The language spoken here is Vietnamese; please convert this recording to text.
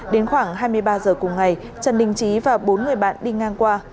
đến khoảng hai mươi ba h cùng ngày trần đình trí và bốn người bạn đi ngang qua